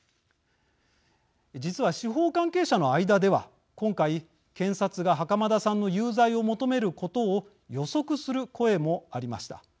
実は司法関係者の間では今回、検察が袴田さんの有罪を求めることを予測する声もありました。